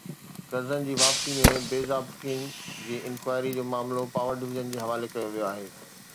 قرضن جي واپسي ۾ بي ضابطگين جي انڪوائري جو معاملو پاور ڊويزن جي حوالي ڪيو ويو آهي